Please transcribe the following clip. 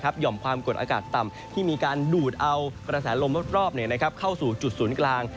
ห่อมความกดอากาศต่ำที่มีการดูดเอากระแสลมรอบเข้าสู่จุดศูนย์กลาง